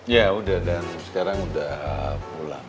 ya udah dan sekarang udah pulang